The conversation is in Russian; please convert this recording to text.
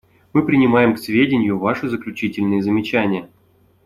Мы принимаем к сведению Ваши заключительные замечания.